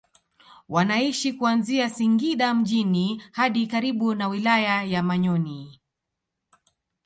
Wanaishi kuanzia Singida mjini hadi karibu na wilaya ya Manyoni